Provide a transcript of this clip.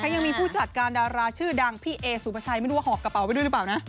ยังมีผู้จัดการดาราชื่อดังพี่เอสุภาชัยไม่รู้ว่าหอบกระเป๋าไปด้วยหรือเปล่านะ